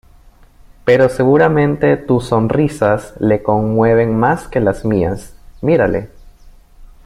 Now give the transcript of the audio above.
pero seguramente tus sonrisas le conmueven más que las mías... ¡ mírale!